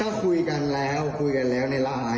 ถ้าคุยกันแล้วคุยกันแล้วในละอาย